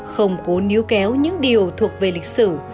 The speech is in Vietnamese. không cố níu kéo những điều thuộc về lịch sử